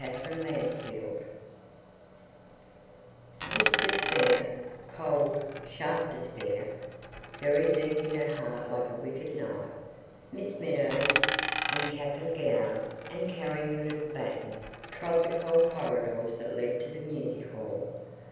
The Singing Lesson With despair—cold, sharp despair—buried deep in her heart like a wicked knife, Miss Meadows, in cap and gown and carrying a little baton, trod the cold corridors that led to the music hall.